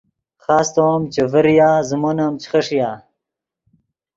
خاستو ام چے ڤریا زیمون ام چے خݰیا